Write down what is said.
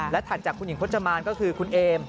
ถัดจากคุณหญิงพจมานก็คือคุณเอม